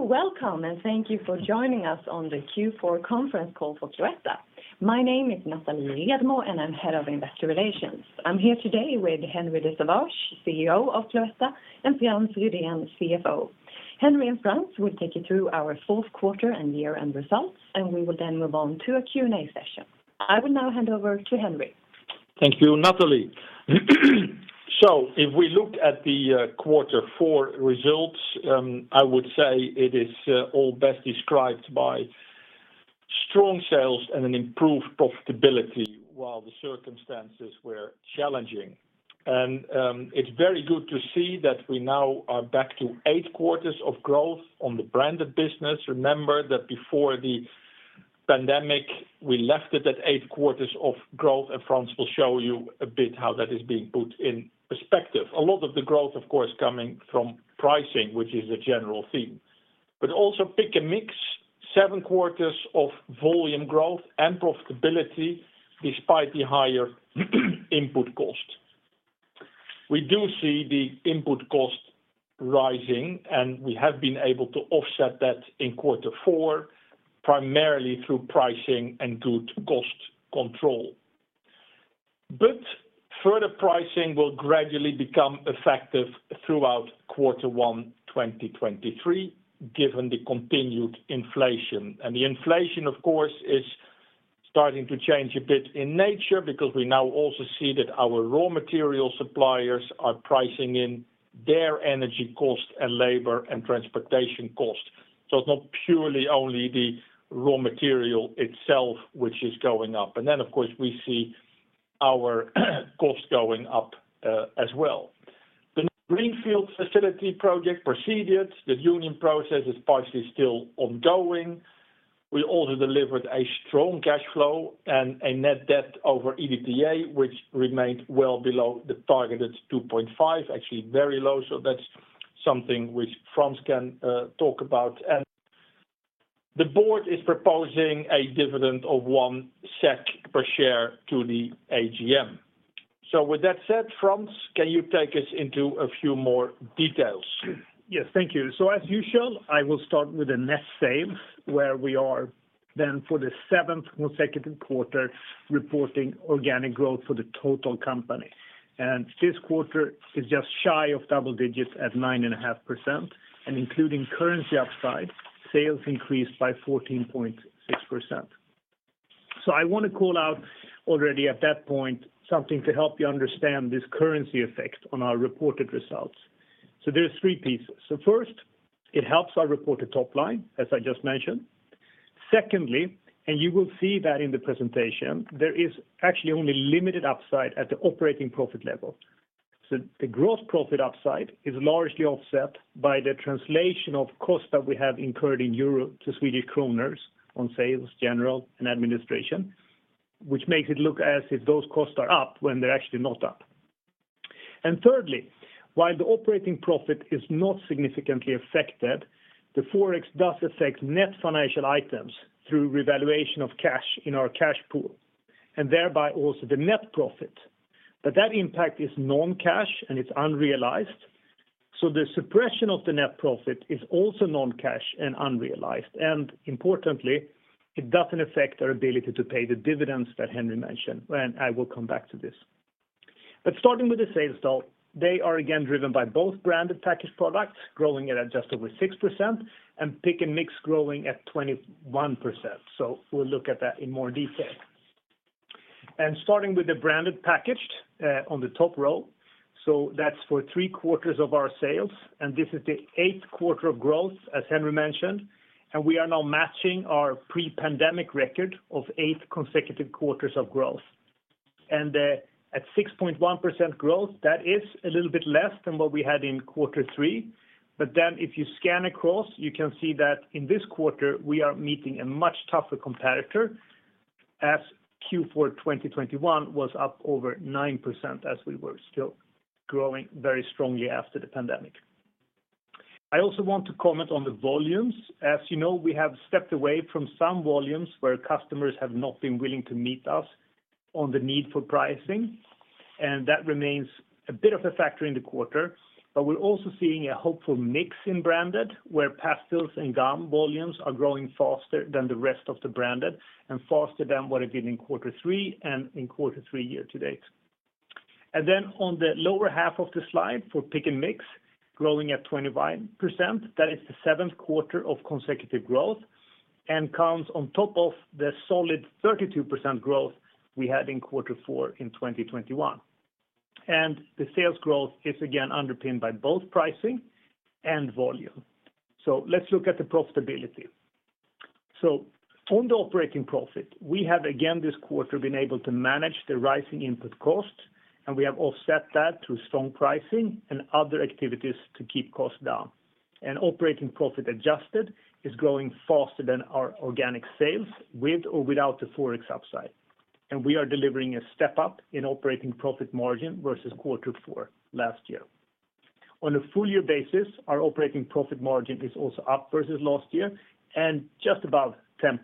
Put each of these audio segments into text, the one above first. Welcome, and thank you for joining us on the Q4 conference call for Cloetta. My name is Nathalie Redmo, and I'm Head of Investor Relations. I'm here today with Henri de Sauvage Nolting, CEO of Cloetta, and Frans Rydén, CFO. Henri and Frans will take you through our fourth quarter and year-end results, and we will then move on to a Q&A session. I will now hand over to Henri. Thank you, Nathalie. If we look at the quarter four results, I would say it is all best described by strong sales and an improved profitability while the circumstances were challenging. It's very good to see that we now are back to eight quarters of growth on the branded business. Remember that before the pandemic, we left it at eight quarters of growth, and Frans will show you a bit how that is being put in perspective. A lot of the growth, of course, coming from pricing, which is a general theme. Also pick and mix seven quarters of volume growth and profitability despite the higher input cost. We do see the input cost rising, and we have been able to offset that in quarter four, primarily through pricing and good cost control. Further pricing will gradually become effective throughout quarter one 2023, given the continued inflation. The inflation, of course, is starting to change a bit in nature because we now also see that our raw material suppliers are pricing in their energy cost and labor and transportation cost. It's not purely only the raw material itself which is going up. Of course, we see our cost going up as well. The Greenfield facility project proceeded. The union process is partially still ongoing. We also delivered a strong cash flow and a net debt over EBITDA, which remained well below the targeted 2.5, actually very low. That's something which Frans can talk about. The board is proposing a dividend of one SEK per share to the AGM. With that said, Frans, can you take us into a few more details? Yes, thank you. As usual, I will start with the net sales, where we are then for the 7th consecutive quarter reporting organic growth for the total company. This quarter is just shy of double digits at 9.5%, and including currency upside, sales increased by 14.6%. I want to call out already at that point, something to help you understand this currency effect on our reported results. There are three pieces. First, it helps our reported top line, as I just mentioned. Secondly, you will see that in the presentation, there is actually only limited upside at the operating profit level. The gross profit upside is largely offset by the translation of costs that we have incurred in Europe to Swedish kronors on sales, general and administration, which makes it look as if those costs are up when they're actually not up. Thirdly, while the operating profit is not significantly affected, the Forex does affect net financial items through revaluation of cash in our cash pool, and thereby also the net profit. That impact is non-cash and it's unrealized. The suppression of the net profit is also non-cash and unrealized. Importantly, it doesn't affect our ability to pay the dividends that Henri mentioned, and I will come back to this. Starting with the sales though, they are again driven by both branded package products growing at just over 6% and pick and mix growing at 21%. We'll look at that in more detail. Starting with the branded packaged on the top row. That's for three quarters of our sales, and this is the eighth quarter of growth, as Henri mentioned. We are now matching our pre-pandemic record of eight consecutive quarters of growth. At 6.1% growth, that is a little bit less than what we had in quarter three. If you scan across, you can see that in this quarter, we are meeting a much tougher competitor as Q4 2021 was up over 9% as we were still growing very strongly after the pandemic. I also want to comment on the volumes. As you know, we have stepped away from some volumes where customers have not been willing to meet us on the need for pricing, that remains a bit of a factor in the quarter. We're also seeing a hopeful mix in branded, where Pastilles and gum volumes are growing faster than the rest of the branded and faster than what it did in quarter three and in quarter three year to date. On the lower half of the slide for pick & mix, growing at 25%, that is the seventh quarter of consecutive growth and comes on top of the solid 32% growth we had in quarter four in 2021. The sales growth is again underpinned by both pricing and volume. Let's look at the profitability. On the operating profit, we have again this quarter been able to manage the rising input cost, we have offset that through strong pricing and other activities to keep costs down. Adjusted operating profit is growing faster than our organic sales with or without the Forex upside. We are delivering a step up in operating profit margin versus quarter four last year. On a full-year basis, our operating profit margin is also up versus last year and just above 10%.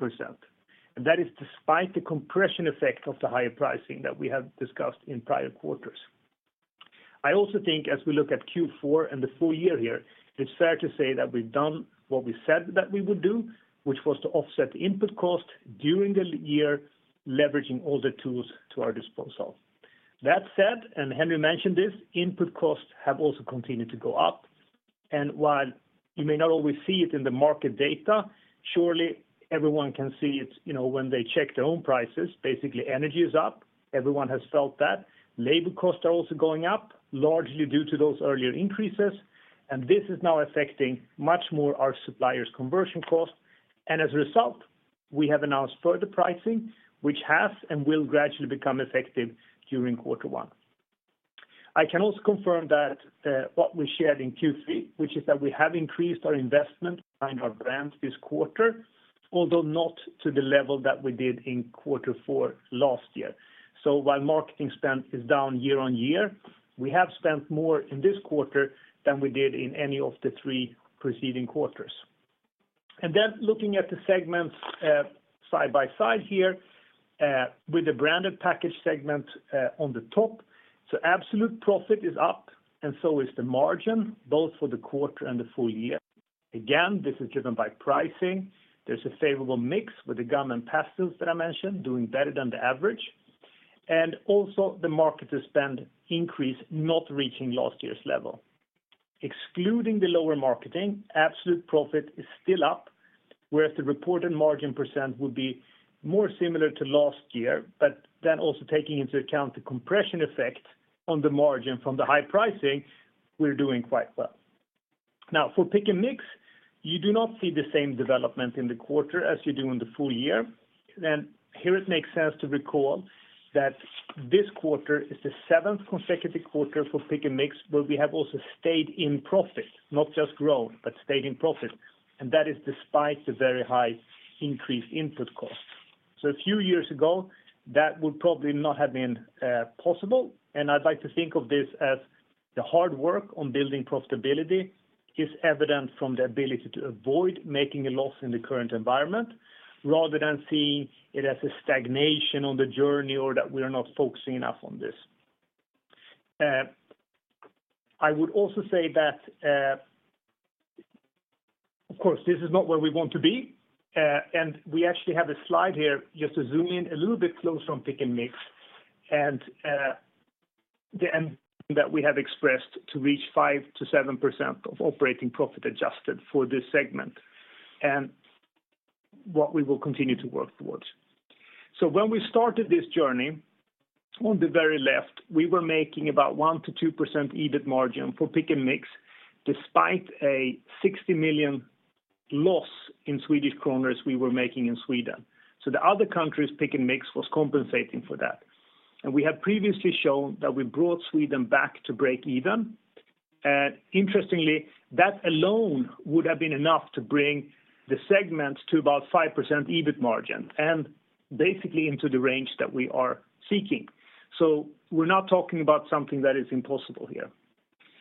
That is despite the compression effect of the higher pricing that we have discussed in prior quarters. I also think as we look at Q4 and the full-year here, it's fair to say that we've done what we said that we would do, which was to offset the input cost during the year, leveraging all the tools to our disposal. That said, Henri mentioned this, input costs have also continued to go up. While you may not always see it in the market data, surely everyone can see it, you know, when they check their own prices. Basically, energy is up. Everyone has felt that. Labor costs are also going up, largely due to those earlier increases. This is now affecting much more our suppliers conversion cost. As a result, we have announced further pricing, which has and will gradually become effective during quarter one. I can also confirm that what we shared in Q3, which is that we have increased our investment behind our brands this quarter, although not to the level that we did in quarter four last year. While marketing spend is down year-over-year, we have spent more in this quarter than we did in any of the three preceding quarters. Looking at the segments side by side here, with the branded package segment on the top. Absolute profit is up, and so is the margin, both for the quarter and the full-year. Again, this is driven by pricing. There's a favorable mix with the gum and pencils that I mentioned doing better than the average. The marketer spend increase not reaching last year's level. Excluding the lower marketing, absolute profit is still up, whereas the reported margin percent would be more similar to last year. Also taking into account the compression effect on the margin from the high pricing, we're doing quite well. Now for pick & mix, you do not see the same development in the quarter as you do in the full-year. Here it makes sense to recall that this quarter is the seventh consecutive quarter for pick & mix, where we have also stayed in profit, not just grown, but stayed in profit. That is despite the very high increased input costs. A few years ago, that would probably not have been possible. I'd like to think of this as the hard work on building profitability is evident from the ability to avoid making a loss in the current environment rather than seeing it as a stagnation on the journey or that we are not focusing enough on this. I would also say that, of course, this is not where we want to be. We actually have a slide here just to zoom in a little bit close on pick and mix and the end that we have expressed to reach 5%-7% of adjusted operating profit for this segment and what we will continue to work towards. When we started this journey, on the very left, we were making about 1%-2% EBIT margin for pick and mix despite a 60 million loss in Swedish kronors we were making in Sweden. The other countries pick and mix was compensating for that. We have previously shown that we brought Sweden back to break even. Interestingly, that alone would have been enough to bring the segment to about 5% EBIT margin and basically into the range that we are seeking. We're not talking about something that is impossible here.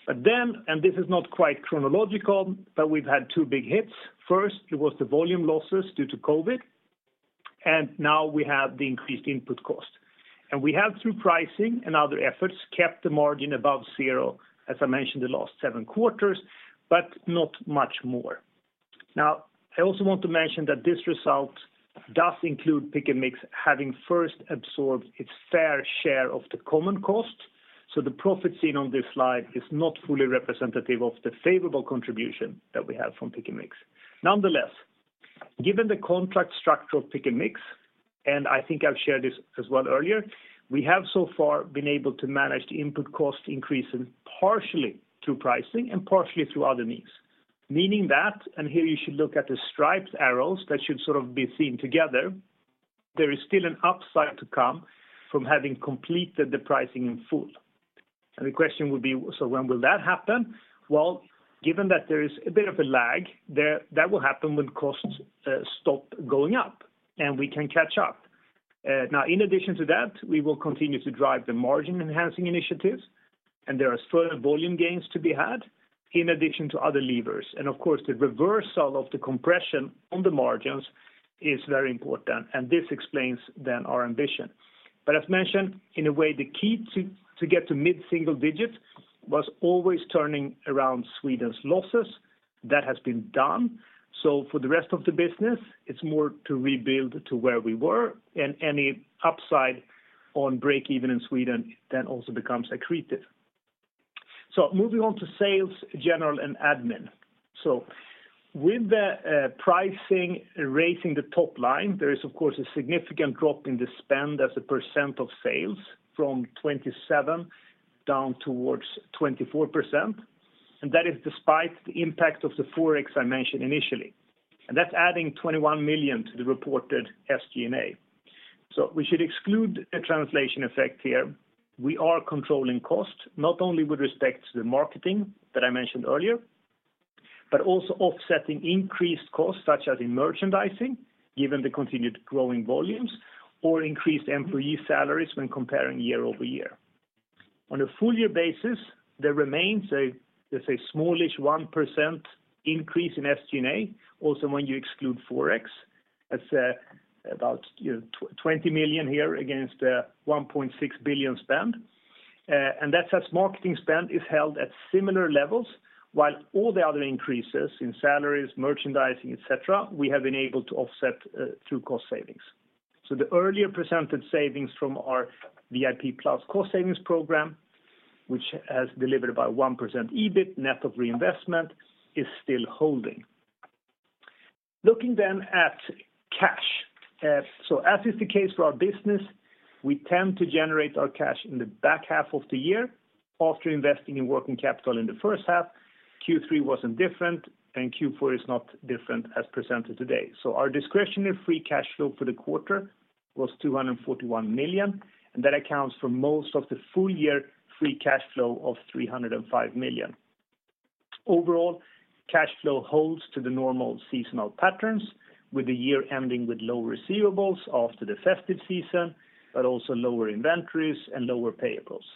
This is not quite chronological, but we've had two big hits. First, it was the volume losses due to COVID, and now we have the increased input cost. We have through pricing and other efforts, kept the margin above zero, as I mentioned, the last seven quarters, but not much more. I also want to mention that this result does include pick & mix having first absorbed its fair share of the common cost. The profit seen on this slide is not fully representative of the favorable contribution that we have from pick & mix. Nonetheless, given the contract structure of pick & mix, and I think I've shared this as well earlier, we have so far been able to manage the input cost increase partially through pricing and partially through other means. Meaning that, and here you should look at the striped arrows that should sort of be seen together, there is still an upside to come from having completed the pricing in full. The question would be, when will that happen? Given that there is a bit of a lag, that will happen when costs stop going up and we can catch up. In addition to that, we will continue to drive the margin enhancing initiatives. There are further volume gains to be had in addition to other levers. Of course, the reversal of the compression on the margins is very important. This explains our ambition. As mentioned, in a way, the key to get to mid-single digits was always turning around Sweden's losses. That has been done. For the rest of the business, it's more to rebuild to where we were and any upside on breakeven in Sweden then also becomes accretive. Moving on to sales, general, and admin. With the pricing raising the top line, there is of course a significant drop in the spend as a % of sales from 27% down towards 24%. That is despite the impact of the ForEx I mentioned initially. That's adding 21 million to the reported SG&A. We should exclude a translation effect here. We are controlling costs, not only with respect to the marketing that I mentioned earlier, but also offsetting increased costs such as in merchandising, given the continued growing volumes or increased employee salaries when comparing year-over-year. On a full-year basis, there remains a, let's say, smallish 1% increase in SG&A. When you exclude Forex, that's about, you know, 20 million here against 1.6 billion spend. That's as marketing spend is held at similar levels, while all the other increases in salaries, merchandising, et cetera, we have been able to offset through cost savings. The earlier presented savings from our VIP+ cost savings program, which has delivered about 1% EBIT net of reinvestment, is still holding. Looking then at cash. As is the case for our business, we tend to generate our cash in the back half of the year after investing in working capital in the first half. Q3 wasn't different, and Q4 is not different as presented today. Our discretionary free cash flow for the quarter was 241 million. That accounts for most of the full-year free cash flow of 305 million. Overall, cash flow holds to the normal seasonal patterns with the year ending with low receivables after the festive season. Also lower inventories and lower payables.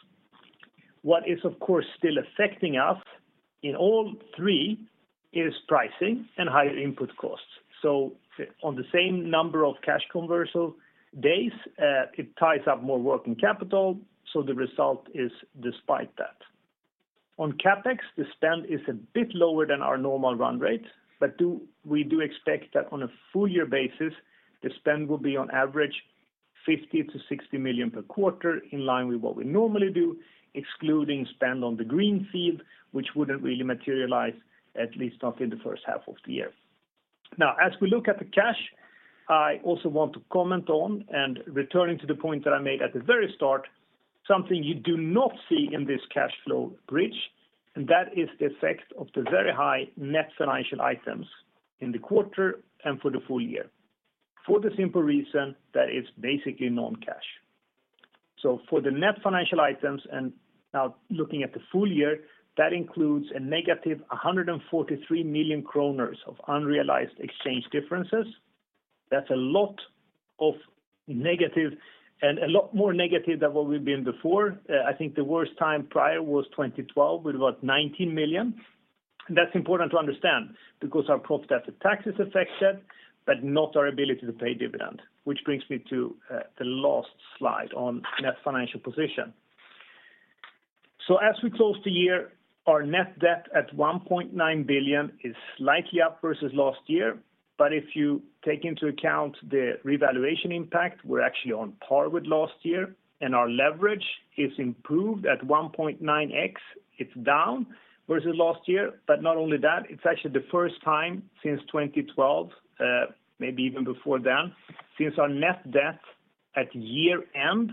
What is of course still affecting us in all three is pricing and higher input costs. On the same number of cash conversion cycle, it ties up more working capital, so the result is despite that. On CapEx, the spend is a bit lower than our normal run rate, but we do expect that on a full-year basis, the spend will be on average 50 million-60 million per quarter in line with what we normally do, excluding spend on the greenfield, which wouldn't really materialize, at least not in the first half of the year. As we look at the cash, I also want to comment on, and returning to the point that I made at the very start, something you do not see in this cash flow bridge, and that is the effect of the very high net financial items in the quarter and for the full-year, for the simple reason that it's basically non-cash. For the net financial items and now looking at the full-year, that includes a negative 143 million kronor of unrealized exchange differences. That's a lot of negative and a lot more negative than what we've been before. I think the worst time prior was 2012 with about 19 million. That's important to understand because our profit after taxes affects that, but not our ability to pay dividend. Which brings me to the last slide on net financial position. As we close the year, our net debt at 1.9 billion is slightly up versus last year. If you take into account the revaluation impact, we're actually on par with last year, and our leverage is improved at 1.9x. It's down versus last year. Not only that, it's actually the first time since 2012, maybe even before then, since our net debt at year-end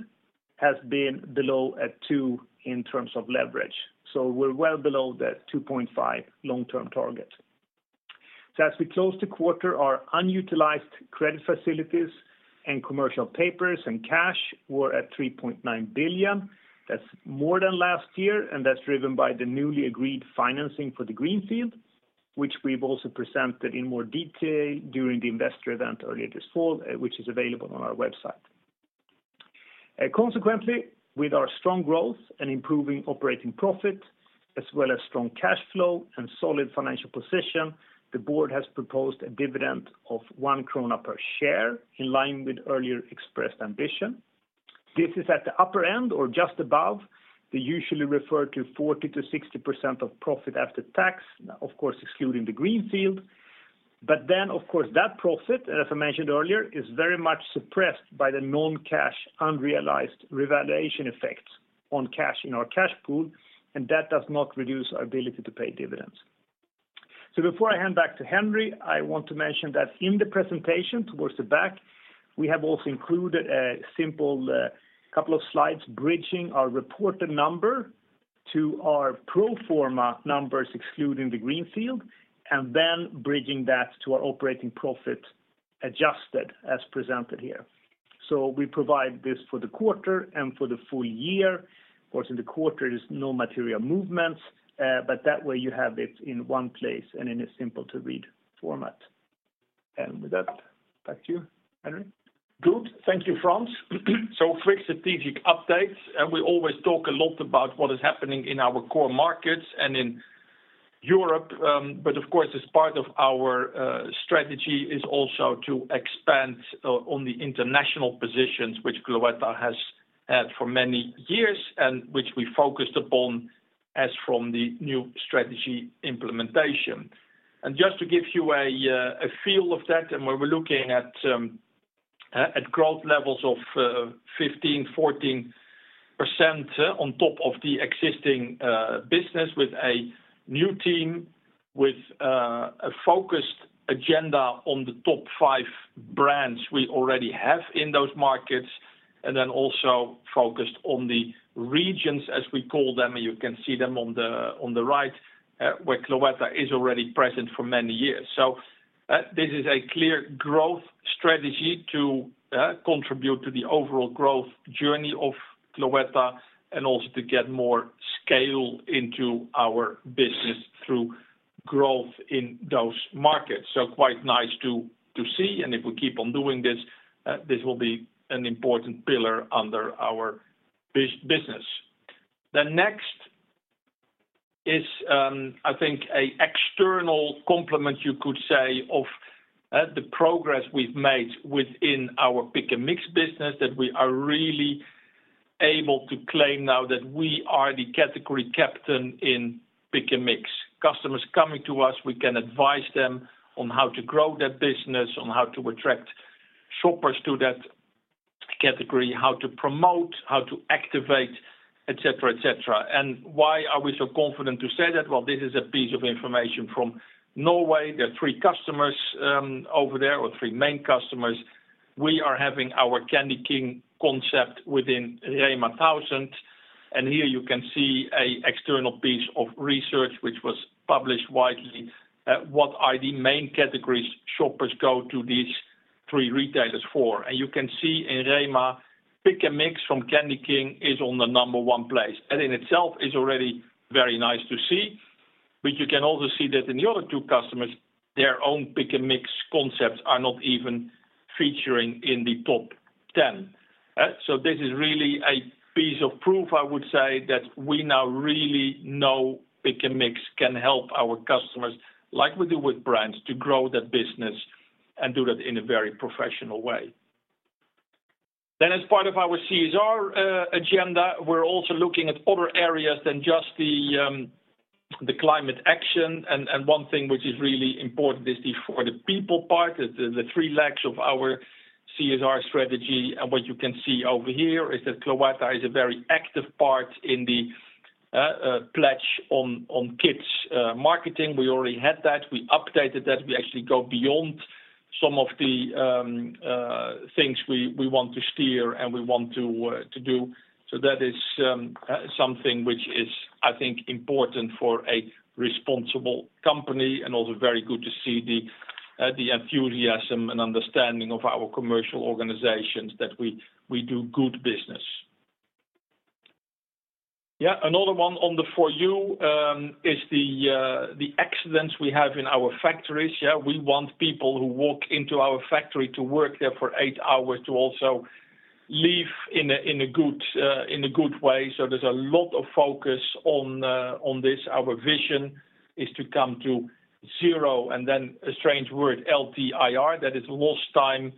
has been below two in terms of leverage. We're well below the 2.5 long-term target. As we close the quarter, our unutilized credit facilities and commercial papers and cash were at 3.9 billion. That's more than last year. That's driven by the newly agreed financing for the greenfield, which we've also presented in more detail during the investor event earlier this fall, which is available on our website. Consequently, with our strong growth and improving operating profit as well as strong cash flow and solid financial position, the board has proposed a dividend of 1 krona per share in line with earlier expressed ambition. This is at the upper end or just above. They usually refer to 40%-60% of profit after tax, of course, excluding the Greenfield. Of course, that profit, and as I mentioned earlier, is very much suppressed by the non-cash unrealized revaluation effect on cash in our cash pool, and that does not reduce our ability to pay dividends. Before I hand back to Henri, I want to mention that in the presentation towards the back, we have also included a simple couple of slides bridging our reported number to our pro forma numbers excluding the Greenfield, and then bridging that to our adjusted operating profit as presented here. We provide this for the quarter and for the full-year. Of course, in the quarter, there's no material movements, but that way you have it in one place and in a simple-to-read format. With that, back to you, Henri. Good. Thank you, Frans. Quick strategic updates, and we always talk a lot about what is happening in our core markets and in Europe. Of course, as part of our strategy is also to expand on the international positions which Cloetta has for many years, and which we focused upon as from the new strategy implementation. Just to give you a feel of that, we're looking at growth levels of 15%, 14% on top of the existing business with a new team, with a focused agenda on the top five brands we already have in those markets. Then also focused on the regions, as we call them, you can see them on the right, where Cloetta is already present for many years. This is a clear growth strategy to contribute to the overall growth journey of Cloetta, and also to get more scale into our business through growth in those markets. Quite nice to see, and if we keep on doing this will be an important pillar under our business. The next is, I think a external complement, you could say, of the progress we've made within our pick and mix business that we are really able to claim now that we are the category captain in pick and mix. Customers coming to us, we can advise them on how to grow their business, on how to attract shoppers to that category, how to promote, how to activate, et cetera, et cetera. Why are we so confident to say that? Well, this is a piece of information from Norway. There are three customers over there, or three main customers. We are having our Candyking concept within REMA 1000. Here you can see a external piece of research which was published widely, what are the main categories shoppers go to these three retailers for. You can see in REMA, pick and mix from Candyking is on the number one place. That in itself is already very nice to see. You can also see that in the other two customers, their own pick and mix concepts are not even featuring in the top 10. This is really a piece of proof, I would say, that we now really know pick and mix can help our customers, like we do with brands, to grow their business and do that in a very professional way. As part of our CSR agenda, we're also looking at other areas than just the climate action. One thing which is really important is for the people part, the three legs of our CSR strategy. What you can see over here is that Cloetta is a very active part in the pledge on kids marketing. We already had that. We updated that. We actually go beyond some of the things we want to steer and we want to do. That is something which is, I think, important for a responsible company and also very good to see the enthusiasm and understanding of our commercial organizations that we do good business. Another one on the for you is the accidents we have in our factories. We want people who walk into our factory to work there for eight hours to also leave in a good, in a good way. There's a lot of focus on this. Our vision is to come to zero, and then a strange word, LTIR, that is lost time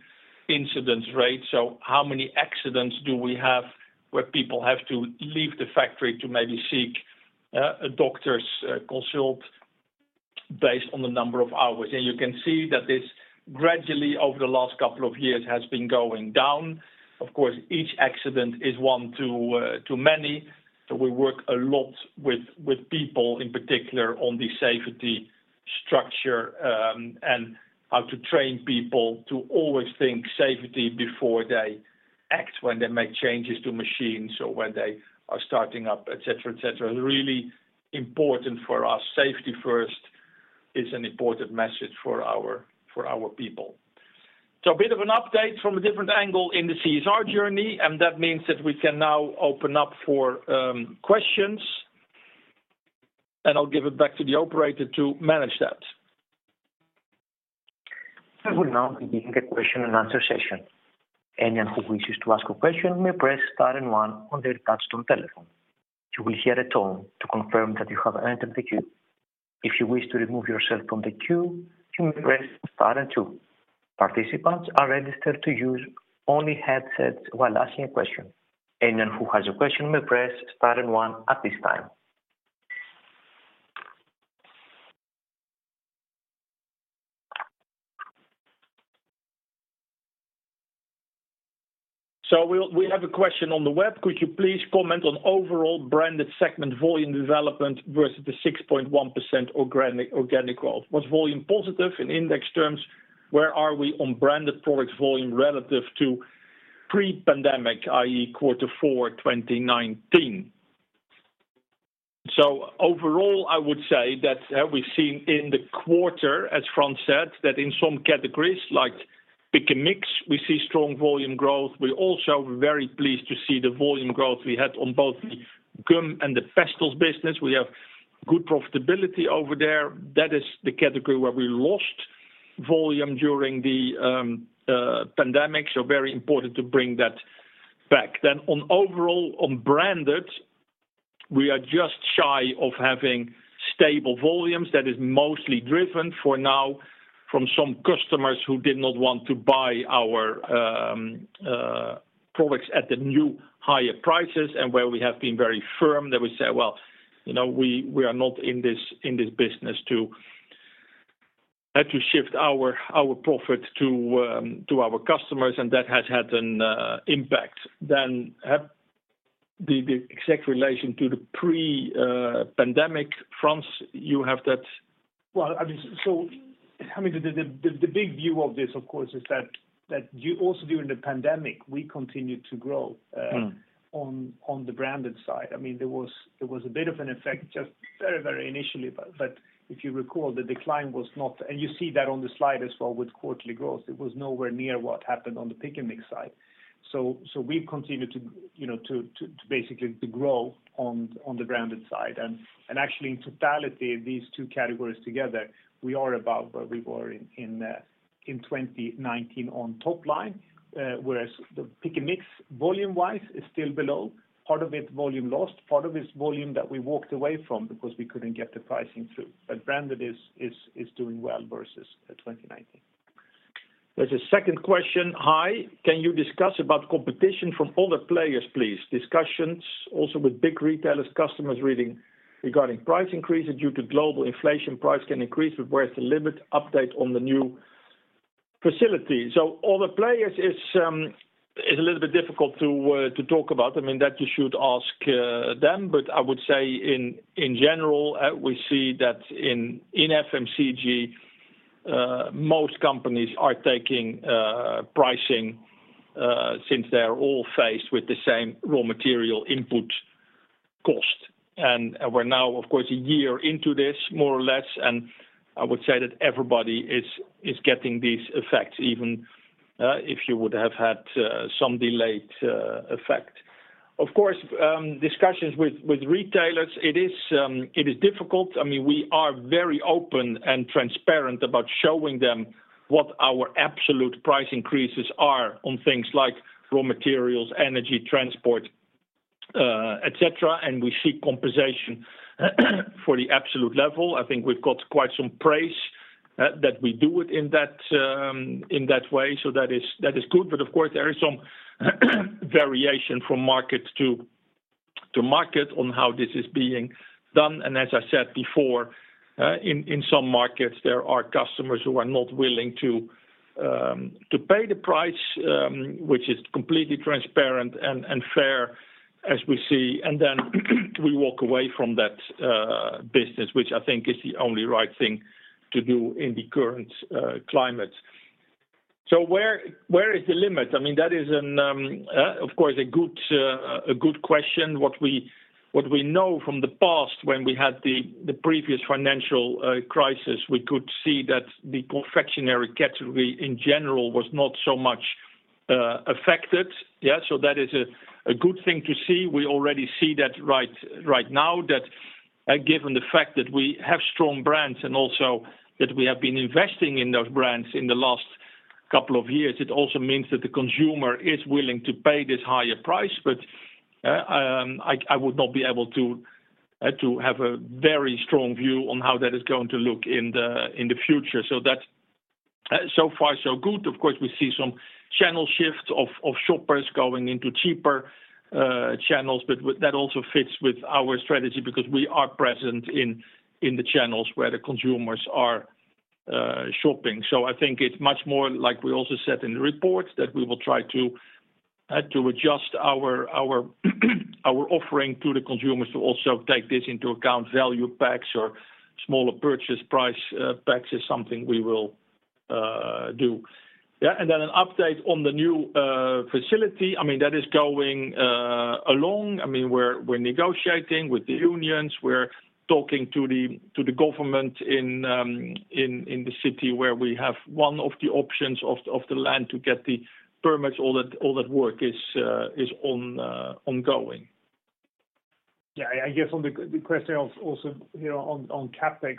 incidence rate. How many accidents do we have where people have to leave the factory to maybe seek a doctor's consult based on the number of hours. You can see that this gradually over the last couple of years has been going down. Of course, each accident is one too many. We work a lot with people in particular on the safety structure and how to train people to always think safety before they act when they make changes to machines or when they are starting up, et cetera, et cetera. Really important for us. Safety first is an important message for our people. A bit of an update from a different angle in the CSR journey, that means that we can now open up for questions. I'll give it back to the operator to manage that. We will now be beginning a question and answer session. Anyone who wishes to ask a question may press star and one on their touch-tone telephone. You will hear a tone to confirm that you have entered the queue. If you wish to remove yourself from the queue, you may press star and two. Participants are registered to use only headsets while asking a question. Anyone who has a question may press star and one at this time. We have a question on the web. Could you please comment on overall branded segment volume development versus the 6.1% organic growth? Was volume positive in index terms? Where are we on branded product volume relative to pre-pandemic, i.e., quarter four, 2019? Overall, I would say that we've seen in the quarter, as Frans said, that in some categories like pick and mix, we see strong volume growth. We're also very pleased to see the volume growth we had on both gum and the Pastilles business. We have good profitability over there. That is the category where we lost volume during the pandemic, so very important to bring that back. On overall on branded. We are just shy of having stable volumes that is mostly driven for now from some customers who did not want to buy our products at the new higher prices, and where we have been very firm that we say, "Well, you know, we are not in this, in this business to shift our profit to our customers," and that has had an impact. Have the exact relation to the pre-pandemic fronts, you have that. Well, I mean, I mean, the big view of this, of course, is that you also during the pandemic, we continued to grow. Mm. on the branded side. I mean, there was a bit of an effect just very initially. If you recall, the decline was not. You see that on the slide as well with quarterly growth. It was nowhere near what happened on the pick & mix side. We've continued to, you know, to basically to grow on the branded side. Actually, in totality, these two categories together, we are above where we were in 2019 on top line. Whereas the pick & mix volume-wise is still below. Part of it volume lost. Part of it's volume that we walked away from because we couldn't get the pricing through. Branded is doing well versus 2019. There's a second question. "Hi, can you discuss about competition from other players, please? Discussions also with big retailers, customers regarding price increases due to global inflation, price can increase with where's the limit? Update on the new facility." Other players is a little bit difficult to talk about. I mean, that you should ask them. I would say in FMCG, most companies are taking pricing since they're all faced with the same raw material input cost. We're now, of course, a year into this, more or less, and I would say that everybody is getting these effects even if you would have had some delayed effect. Of course, discussions with retailers, it is difficult. I mean, we are very open and transparent about showing them what our absolute price increases are on things like raw materials, energy, transport, et cetera. We seek compensation for the absolute level. I think we've got quite some praise that we do it in that way. That is good. Of course, there is some variation from market to market on how this is being done. As I said before, in some markets, there are customers who are not willing to pay the price, which is completely transparent and fair as we see. Then we walk away from that business, which I think is the only right thing to do in the current climate. Where is the limit? I mean, that is an, of course, a good, a good question. What we know from the past when we had the previous financial crisis, we could see that the confectionery category in general was not so much affected. Yeah, that is a good thing to see. We already see that right now that, given the fact that we have strong brands and also that we have been investing in those brands in the last couple of years, it also means that the consumer is willing to pay this higher price. I would not be able to have a very strong view on how that is going to look in the, in the future. That's so far so good. Of course, we see some channel shifts of shoppers going into cheaper channels, but that also fits with our strategy because we are present in the channels where the consumers are shopping. I think it's much more like we also said in the report, that we will try to adjust our offering to the consumers to also take this into account value packs or smaller purchase price packs is something we will do. An update on the new facility. I mean, that is going along. I mean, we're negotiating with the unions. We're talking to the government in the city where we have one of the options of the land to get the permits. All that work is on ongoing. Yeah, I guess on the question of also, you know, on CapEx.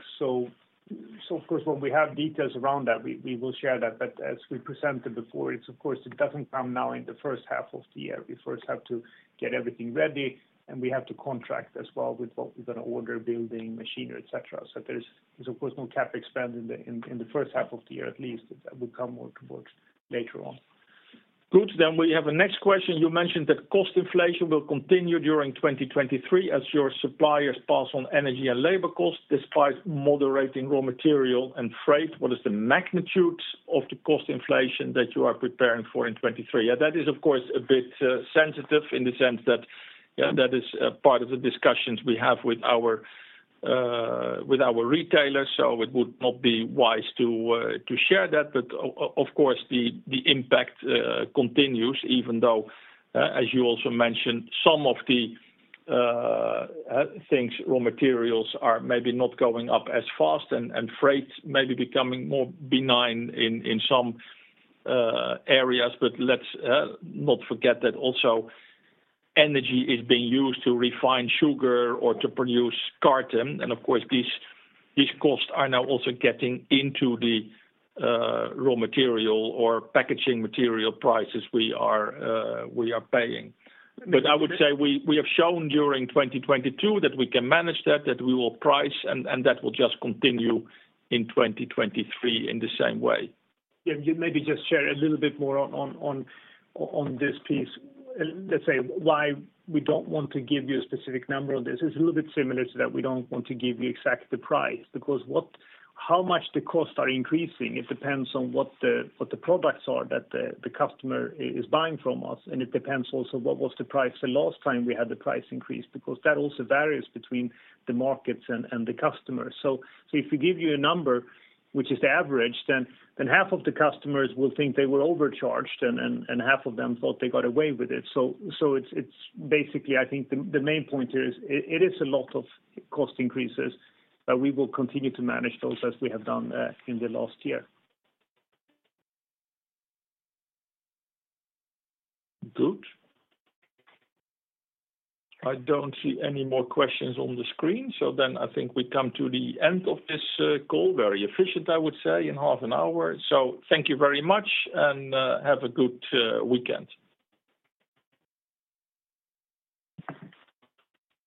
Of course, when we have details around that, we will share that. As we presented before, it's of course it doesn't come now in the first half of the year. We first have to get everything ready, and we have to contract as well with what we're gonna order, building, machinery, et cetera. There's of course no CapEx spend in the first half of the year at least. That will come more towards later on. Good. We have a next question. "You mentioned that cost inflation will continue during 2023 as your suppliers pass on energy and labor costs despite moderating raw material and freight. What is the magnitude of the cost inflation that you are preparing for in 2023?" That is of course a bit sensitive in the sense that that is a part of the discussions we have with our with our retailers, so it would not be wise to to share that. Of course, the impact continues even though as you also mentioned, some of the things, raw materials are maybe not going up as fast and freights may be becoming more benign in some areas. Let's not forget that also energy is being used to refine sugar or to produce carton. Of course, these costs are now also getting into the raw material or packaging material prices we are paying. I would say we have shown during 2022 that we can manage that we will price, and that will just continue in 2023 in the same way. Yeah, maybe just share a little bit more on this piece. Let's say why we don't want to give you a specific number on this. It's a little bit similar to that we don't want to give you exactly the price because how much the costs are increasing, it depends on what the products are that the customer is buying from us, and it depends also what was the price the last time we had the price increase because that also varies between the markets and the customers. If we give you a number which is average, then half of the customers will think they were overcharged and half of them thought they got away with it. It's basically I think the main point is it is a lot of cost increases, but we will continue to manage those as we have done in the last year. Good. I don't see any more questions on the screen. I think we come to the end of this call. Very efficient, I would say, in half an hour. Thank you very much and have a good weekend.